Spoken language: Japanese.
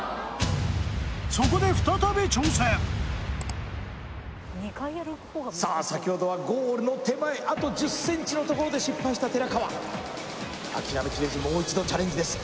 そこで再び挑戦さあ先ほどはゴールの手前あと１０ｃｍのところで失敗した寺川諦めきれずもう一度チャレンジです